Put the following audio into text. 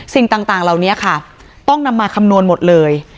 สิ่งต่างเหล่านี้ค่ะต้องนำมาคำนวณหมดเลย